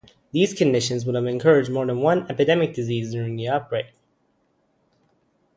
These conditions would have encouraged more than one epidemic disease during the outbreak.